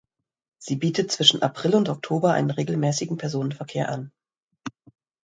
Sie bietet zwischen April und Oktober einen regelmäßigen Personenverkehr an.